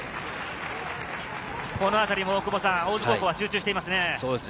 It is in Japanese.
このあたりも大津高校は集中していますね。